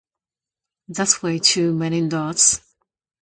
That's way too many dots